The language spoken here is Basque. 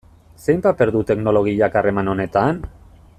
Zein paper du teknologiak harreman honetan?